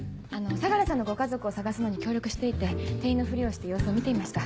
相良さんのご家族を捜すのに協力していて店員のふりをして様子を見ていました。